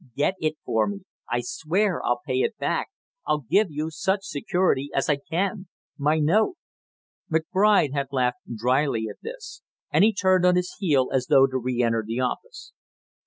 "Get it for me; I swear I'll pay it back. I'll give you such security as I can my note " McBride had laughed dryly at this, and he turned on his heel as though to reënter the office.